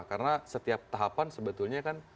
karena setiap tahapan sebetulnya kan